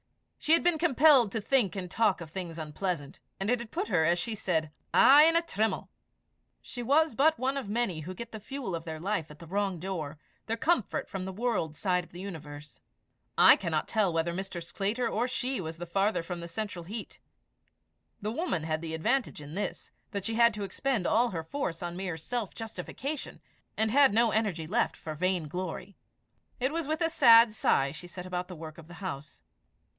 She had been compelled to think and talk of things unpleasant, and it had put her, as she said, a' in a trim'le. She was but one of the many who get the fuel of their life in at the wrong door, their comfort from the world side of the universe. I cannot tell whether Mr. Sclater or she was the farther from the central heat. The woman had the advantage in this, that she had to expend all her force on mere self justification, and had no energy left for vain glory. It was with a sad sigh she set about the work of the house.